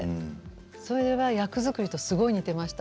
それは役作りとすごく似ていました。